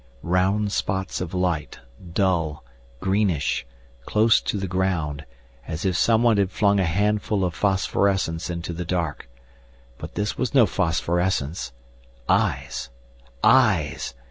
Round spots of light, dull, greenish, close to the ground, as if someone had flung a handful of phosphorescence into the dark. But this was no phosphorescence! Eyes!